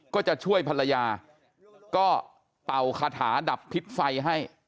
ก็จะช่วยภรรยาก็เป่าคาถาดับพิษไฟให้